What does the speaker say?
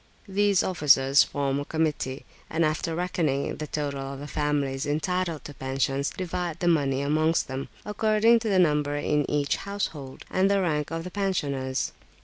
These officers form a committee, and after reckoning the total of the families entitled to pensions, divide the money amongst them, according to the number in each household, and the rank of the pensioners.